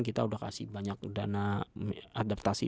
kita sudah kasih banyak dana adaptasi